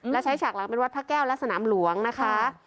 และใช้ฉากหลังเป็นวัดพระแก้วและสนามหลวงนะคะ